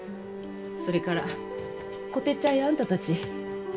それからこてっちゃんやあんたたち。